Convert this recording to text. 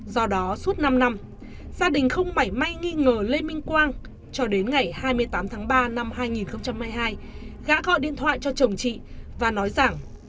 do đó suốt năm năm gia đình không mảy may nghi ngờ lê minh quang cho đến ngày hai mươi tám tháng ba năm hai nghìn hai mươi hai gã điện thoại cho chồng chị và nói rằng